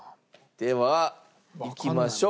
ではいきましょう。